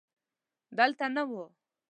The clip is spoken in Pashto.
دلته نه و.